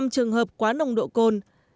năm trường hợp quá nồng độ cồn